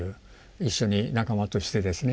一緒に仲間としてですね